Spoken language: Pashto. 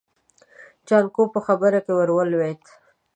جانکو په خبره کې ور ولوېد.